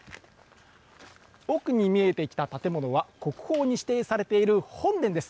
奥に見えてきた建物は国宝に指定されている本殿です。